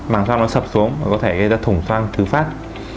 màng xoang nó sập xuống và có thể gây ra thủng xoang thứ phát